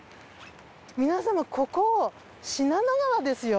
皆様ここ信濃川ですよ。